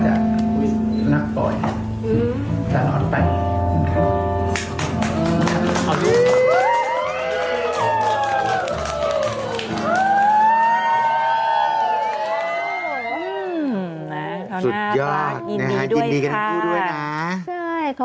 ข้าวนาาราศาสตร์ยินดีด้วยค่ะสุดยอดนะครับยินดีกับกูด้วยนะขอบคุณครับ